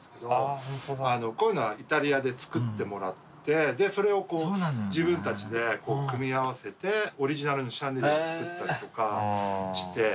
こういうのはイタリアで作ってもらってそれをこう自分たちでこう組み合わせてオリジナルのシャンデリアを作ったりとかして。